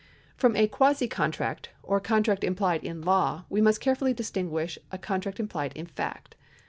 ^ From a quasi contract, or contract implied in law, we must carefully distinguish a contract implied in fact.